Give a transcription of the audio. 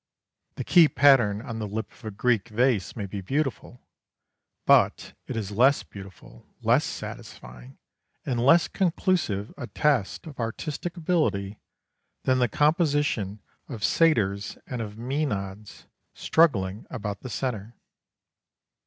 The key pattern on the lip of a Greek vase may be beautiful, but it is less beautiful, less satisfying, and less conclusive a test of artistic ability than the composition of satyrs and of mænads struggling about the centre.